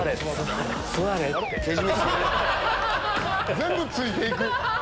全部ついていく。